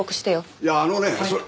いやあのねそれ。